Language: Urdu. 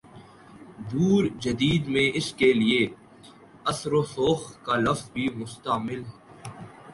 دور جدید میں اس کے لیے" اثرورسوخ کا لفظ بھی مستعمل ہے۔